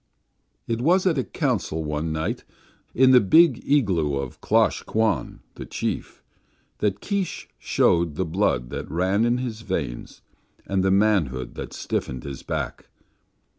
It was at a council, one night, in the big igloo of Klosh Kwan, the chief, that Keesh showed the blood that ran in his veins and the manhood that stiffened his back.